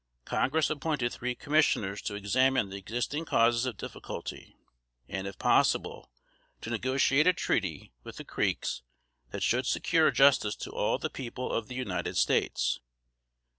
Congress appointed three commissioners to examine the existing causes of difficulty, and if possible to negotiate a treaty with the Creeks that should secure justice to all the people of the United States.